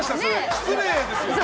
失礼ですよね。